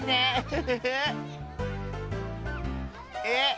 え？